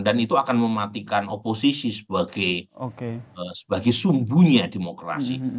dan itu akan mematikan oposisi sebagai sumbunya demokrasi